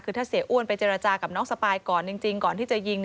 คือถ้าเสียอ้วนไปเจรจากับน้องสปายก่อนจริงก่อนที่จะยิง